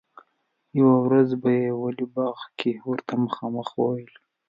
یوه ورځ یې په ولي باغ کې ورته مخامخ وویل.